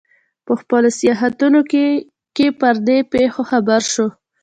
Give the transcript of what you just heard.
په خپلو سیاحتونو کې پر دې پېښو خبر شو.